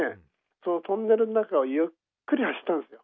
そのトンネルの中をゆっくり走ったんですよ。